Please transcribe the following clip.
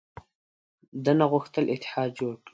ده نه غوښتل اتحاد جوړ کړي.